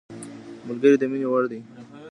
ملګری د مینې وړ دی